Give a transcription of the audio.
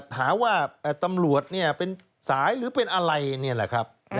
หาว่าตำรวจเป็นสายหรือเป็นอะไรนี่แหละครับ